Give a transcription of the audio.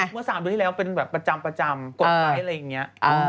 เมื่อ๓เดือนที่แล้วเป็นแบบประจำกดไลค์อะไรอย่างนี้